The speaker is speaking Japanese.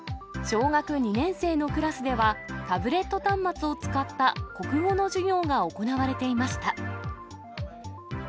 小学２年生のクラスでは、タブレット端末を使った国語の授業が行われていました。